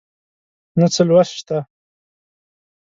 نه څه لوست شته